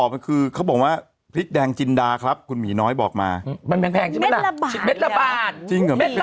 เกาคือใส่เม็ดนึงก็บาทนึงมาตรงนี้